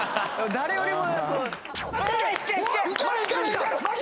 誰よりも。